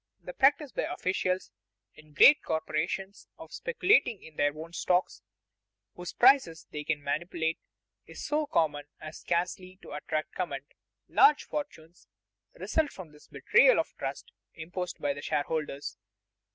The practice by officials in great corporations of speculating in their own stocks, whose prices they can manipulate, is so common as scarcely to attract comment. Large fortunes result from this betrayal of the trust imposed by the shareholders.